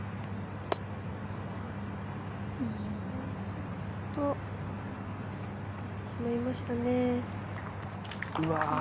ちょっと行ってしまいましたね。